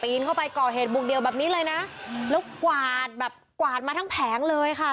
เข้าไปก่อเหตุบุกเดียวแบบนี้เลยนะแล้วกวาดแบบกวาดมาทั้งแผงเลยค่ะ